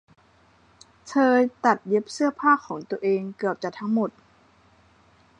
เธอตัดเย็นเสื้อผ้าของตัวเองเกือบจะทั้งหมด